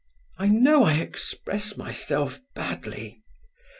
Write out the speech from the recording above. (I know I express myself badly.)